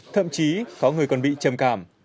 thậm chí có người còn bị trầm cảm